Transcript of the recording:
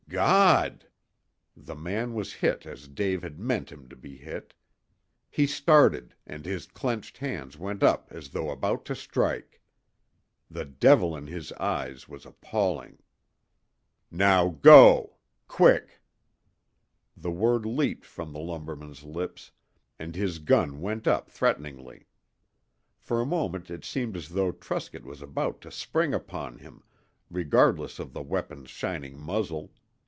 "God!" The man was hit as Dave had meant him to be hit. He started, and his clenched hand went up as though about to strike. The devil in his eyes was appalling. "Now go! Quick!" The word leaped from the lumberman's lips, and his gun went up threateningly. For a moment it seemed as though Truscott was about to spring upon him, regardless of the weapon's shining muzzle.